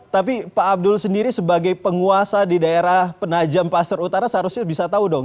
tapi pak abdul sendiri sebagai penguasa di daerah penajam pasir utara seharusnya bisa tahu dong